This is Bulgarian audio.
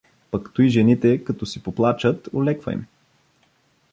Пък туй, жените, като си поплачат, олеква им.